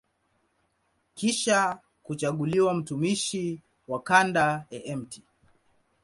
Kisha kuchaguliwa mtumishi wa kanda ya Mt.